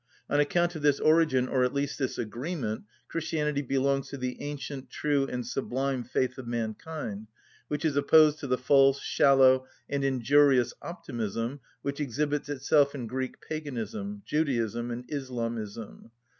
On account of this origin (or, at least, this agreement) Christianity belongs to the ancient, true and sublime faith of mankind, which is opposed to the false, shallow, and injurious optimism which exhibits itself in Greek paganism, Judaism, and Islamism.